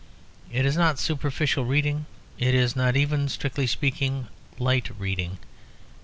It is not superficial reading, it is not even, strictly speaking, light reading.